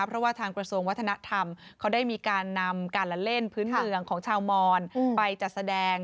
เพราะว่าทางกระทรวงวัฒนธรรมเขาได้มีการนำการละเล่นพื้นเมืองของชาวมอนไปจัดแสดง